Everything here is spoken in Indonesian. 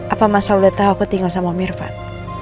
apa masal udah tau aku tinggal sama om irfan